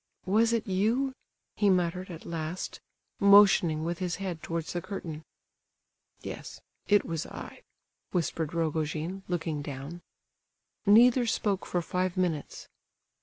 "Was it you?" he muttered, at last, motioning with his head towards the curtain. "Yes, it was I," whispered Rogojin, looking down. Neither spoke for five minutes.